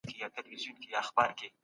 هیوادونه ولي د رایې ورکولو حق تضمینوي؟